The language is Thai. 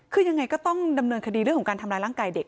คือยังไงก็ต้องดำเนินคดีเรื่องของการทำร้ายร่างกายเด็ก